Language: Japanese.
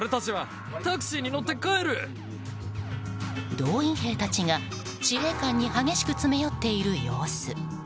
動員兵たちが司令官に激しく詰め寄っている様子。